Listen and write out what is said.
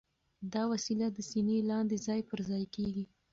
دا وسیله د سینې لاندې ځای پر ځای کېږي.